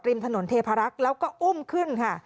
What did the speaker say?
ริมถนนเทพารักษ์แล้วก็อุ้มขึ้นค่ะ